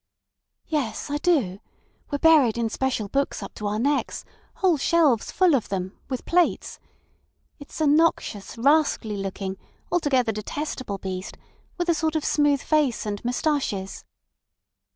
"Yes; I do. We're buried in special books up to our necks—whole shelves full of them—with plates. ... It's a noxious, rascally looking, altogether detestable beast, with a sort of smooth face and moustaches."